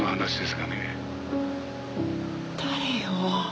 誰よ？